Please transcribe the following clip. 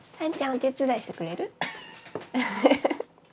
お手伝いしてくれる？